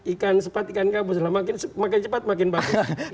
ikan sepat ikan gabus makin cepat makin bagus